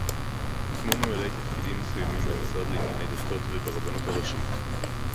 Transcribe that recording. כמו ממלאי תפקידים מסוימים במשרד לענייני דתות וברבנות הראשית